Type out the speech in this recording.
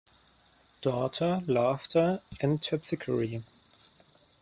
Daughter, laughter and Terpsichore